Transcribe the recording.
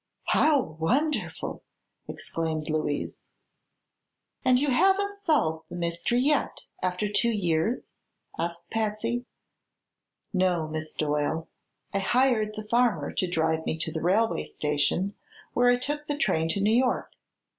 "How wonderful!" exclaimed Louise. "And you haven't solved the mystery yet, after two years?" asked Patsy. "No, Miss Doyle. I hired the farmer to drive me to the railway station, where I took the train to New York.